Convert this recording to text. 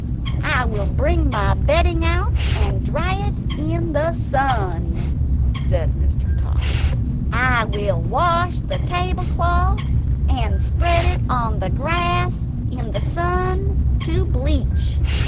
I will bring my bedding out, and dry it in the sun," said Mr. Tod. "I will wash the tablecloth and spread it on the grass in the sun to bleach.